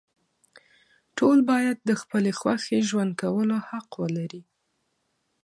ټول باید د خپلې خوښې ژوند کولو حق ولري.